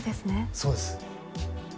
そうです